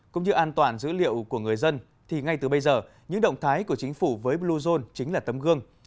cũng như an toàn dữ liệu của người dân thì ngay từ bây giờ những động thái của chính phủ với bluezone chính là tấm gương